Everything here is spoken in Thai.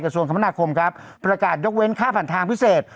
ส่วนคมนาคมครับประกาศยกเว้นค่าผ่านทางพิเศษ